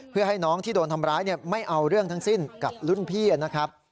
เพื่อให้น้องที่โดนทำร้ายไม่เอาเรื่องทั้งสิ้นกับรุ่นพี่นะครับ